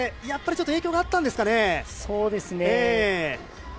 やっぱり影響があったんですかね。